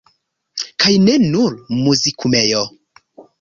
Kaj ne nur Muzikumejo!